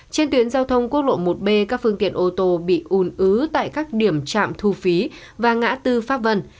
trên tuyến giao thông quốc lộ một b các phương tiện ô tô bị ùn ứ tại các điểm trạm thu phí và ngã tư pháp vân